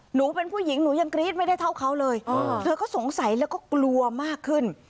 หนูเป็นผู้หญิงหนูยังกรี๊ดไม่ได้เท่าเขาเลยเธอก็สงสัยแล้วก็กลัวมากขึ้น